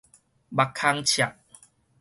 目空赤